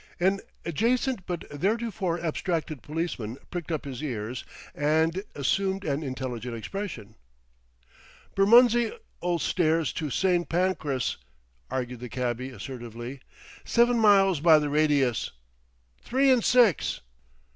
An adjacent but theretofore abstracted policeman pricked up his ears and assumed an intelligent expression. "Bermondsey Ol' Stairs to Sain' Pancras," argued the cabby assertively; "seven mile by th' radius; three 'n' six!"